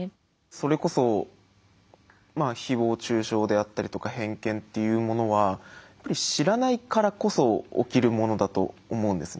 それこそ誹謗中傷であったりとか偏見っていうものは知らないからこそ起きるものだと思うんですね。